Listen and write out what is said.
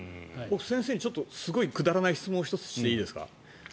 先生にすごいくだらない質問を１つしていいですか？